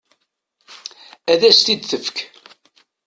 Ad as-t-id-tfek.